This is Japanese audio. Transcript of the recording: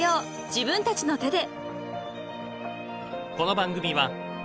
自分たちの手で］